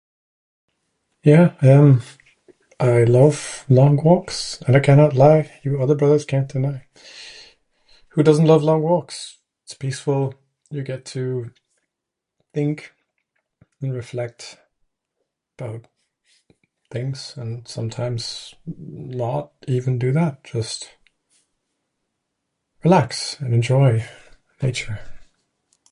Yeah, yeah, um I love long walks and I cannot lie you other brothers can't deny. Who doesn't love long walks? Its peaceful, you get to think and reflect about things, and sometimes not even do that, just relax and enjoy nature.